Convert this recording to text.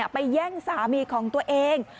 ไปแย่งสามีของตัวเอง